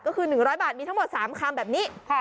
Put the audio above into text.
ก็คือ๑๐๐บาทมีทั้งหมด๓คำแบบนี้